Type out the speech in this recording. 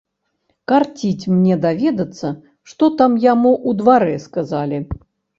Карціць мне даведацца, што там яму ў дварэ сказалі.